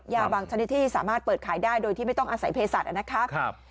ยาบางชนิดที่สามารถเปิดขายได้โดยที่ไม่ต้องอาศัยเพศัตว์นะคะ